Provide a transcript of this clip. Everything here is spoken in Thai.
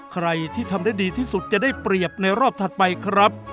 ใครที่ทำได้ดีที่สุดจะได้เปรียบในรอบถัดไปครับ